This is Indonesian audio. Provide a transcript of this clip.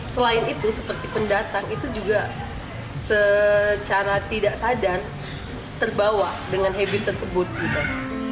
selain itu seperti pendatang itu juga secara tidak sadar terbawa dengan habit tersebut gitu